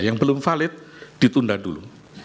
yang belum valid ditunda dulu